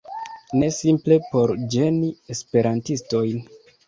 Ne, simple por ĝeni esperantistojn